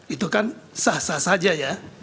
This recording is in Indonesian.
itu kan sah sah saja ya